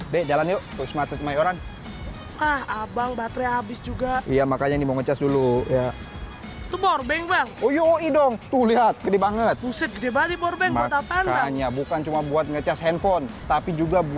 mengambil panggilan dan panggilan di panggilan ini adalah beberapa hal yang kita harapkan pada musim panas